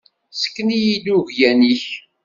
Sken-iyi-d uglan-ik.